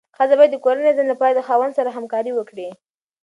ښځه باید د کورني نظم لپاره د خاوند سره همکاري وکړي.